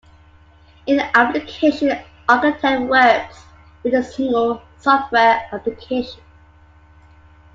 An application architect works with a single software application.